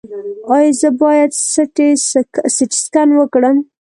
ایا زه باید سټي سکن وکړم؟